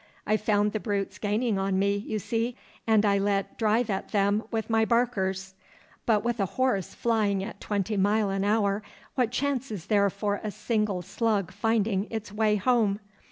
I found the brutes gaining on me, you see, and I let drive at them with my barkers; but with a horse flying at twenty mile an hour, what chance is there for a single slug finding its way home?